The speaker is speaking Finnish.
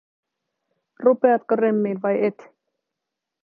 Rupeatko remmiin, vai et?